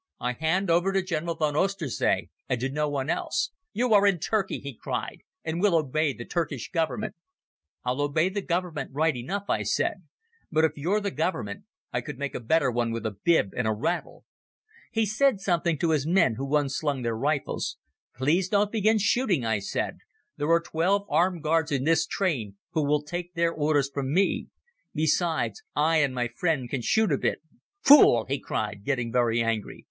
I hand over to General von Oesterzee and to no one else." "You are in Turkey," he cried, "and will obey the Turkish Government." "I'll obey the Government right enough," I said; "but if you're the Government I could make a better one with a bib and a rattle." He said something to his men, who unslung their rifles. "Please don't begin shooting," I said. "There are twelve armed guards in this train who will take their orders from me. Besides, I and my friend can shoot a bit." "Fool!" he cried, getting very angry.